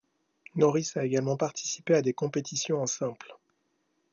Norris a également participé à des compétitions en simple.